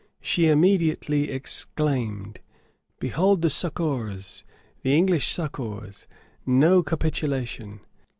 She immediately exclaimed, "Behold the succors! the English succors! No capitulation!"